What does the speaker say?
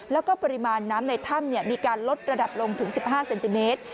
แล้วก็ปริมาณน้ำในถ้ำมีการลดระดับลงถึง๑๕เซนติเมตร